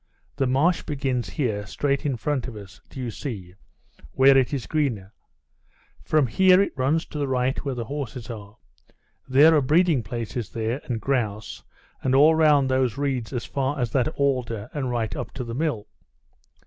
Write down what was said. "The marsh begins here, straight in front of us, do you see—where it is greener? From here it runs to the right where the horses are; there are breeding places there, and grouse, and all round those reeds as far as that alder, and right up to the mill.